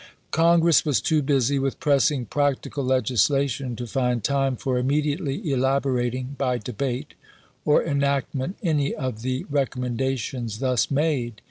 Congi'ess was too busy with pressing practical legislation to find time for immediately elaborating by debate or enactment any of the recommenda tions thus made.